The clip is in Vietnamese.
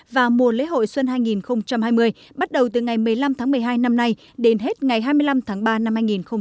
và mùa lễ hội xuân hai nghìn hai mươi bắt đầu từ ngày một mươi năm tháng một mươi hai năm nay đến hết ngày hai mươi năm tháng ba năm hai nghìn hai mươi